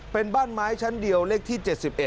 เป็นบ้านไม้ชั้นเดียวเลขที่๗๑